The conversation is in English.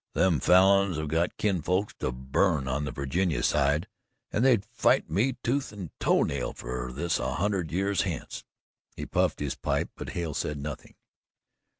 "Them Falins have got kinsfolks to burn on the Virginia side and they'd fight me tooth and toenail for this a hundred years hence!" He puffed his pipe, but Hale said nothing.